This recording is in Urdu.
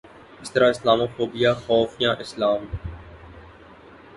اس طرح اسلامو فوبیا خوف یا اسلام